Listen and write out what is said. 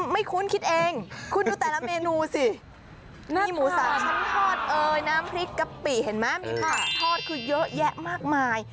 คุ้นคิดเองคุณดูแต่ละเมนูสินี่หมูสามชั้นทอดเอ่ยน้ำพริกกะปิเห็นไหมมีผักทอดคือเยอะแยะมากมาย